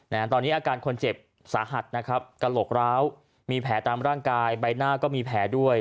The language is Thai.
นะฮะตอนนี้อาการคนเจ็บสาหัสนะครับกระโหลกร้าวมีแผลตามร่างกายใบหน้าก็มีแผลด้วย